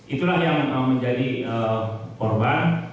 itulah yang menjadi korban